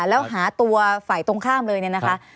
แล้วหาตัวฝ่ายตรงข้ามเลยเนี่ยนะคะ